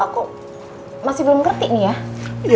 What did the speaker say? aku masih belum ngerti nih ya